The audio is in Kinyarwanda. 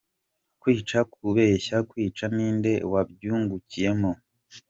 Kwica , kubeshya, kwica, ni nde wabyungukiyemo ?